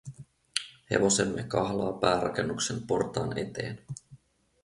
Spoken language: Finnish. Hevosemme kahlaa päärakennuksen portaan eteen.